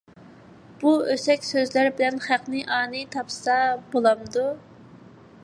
بۇ ئۆسەك سۆزلەر بىلەن خەقنى ئانىي تاپسا بولامدۇ؟